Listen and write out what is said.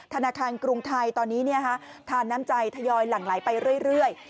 ธนาคารกรุงไทยตอนนี้ทานน้ำใจทยอยหลั่งไหลไปเรื่อย